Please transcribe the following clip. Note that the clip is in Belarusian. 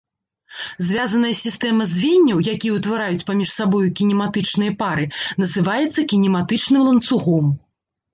Звязаная сістэма звенняў, якія ўтвараюць паміж сабою кінематычныя пары, называецца кінематычным ланцугом.